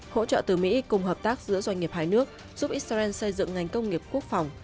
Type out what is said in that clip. hỗ trợ từ mỹ cùng hợp tác giữa doanh nghiệp hai nước giúp israel xây dựng ngành công nghiệp quốc phòng